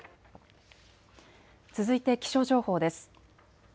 続いて気象情報です。